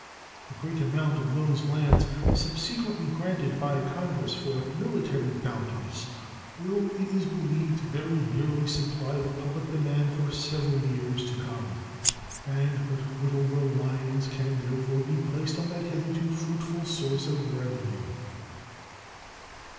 The great amount of those lands subsequently granted by Congress for military bounties will, it is believed, very nearly supply the public demand for several years to come, and but little reliance can, therefore, be placed on that hitherto fruitful source of revenue.